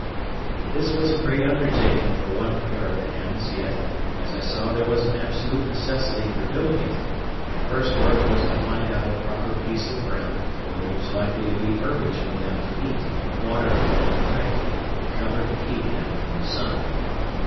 This was a great undertaking for one pair of hands yet, as I saw there was an absolute necessity for doing it, my first work was to find out a proper piece of ground, where there was likely to be herbage for them to eat, water for them to drink, and cover to keep them from the sun.